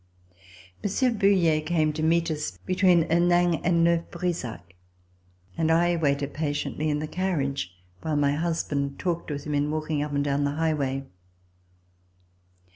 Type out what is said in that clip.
Monsieur Bouille came to meet us between Huningue and Neuf Brisach, and I waited patiently in the carriage while my husband talked with him in walking up and down the high way.